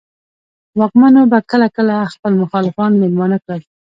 واکمنو به کله کله خپل مخالفان مېلمانه کړل.